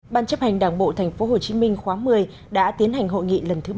bàn chấp hành đảng bộ tp hcm khóa một mươi đã tiến hành hội nghị lần thứ ba mươi hai